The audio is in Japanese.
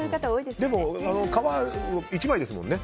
でも、１枚ですもんね。